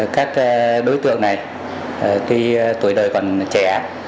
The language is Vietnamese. các đối tượng này tuổi đời còn trẻ